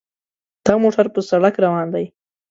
دا موټر په سړک روان دی.